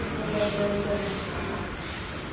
No darle aire a las escenas.